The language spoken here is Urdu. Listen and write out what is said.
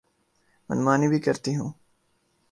من مانی بھی کرتی ہوں۔